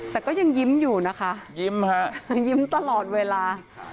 แต่ก็ยังยิ้มอยู่นะคะยิ้มฮะยังยิ้มตลอดเวลา